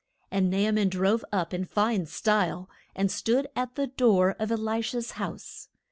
And Na a man drove up in fine style, and stood at the door of E li sha's house.